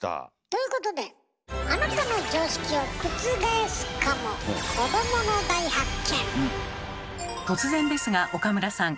ということで突然ですが岡村さん。